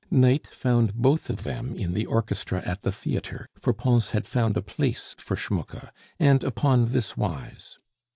Night found both of them in the orchestra at the theatre, for Pons had found a place for Schmucke, and upon this wise.